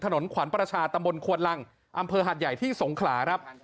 ถนนขวัญประชาตำบลควนลังอำเภอหาดใหญ่ที่สงขลาครับ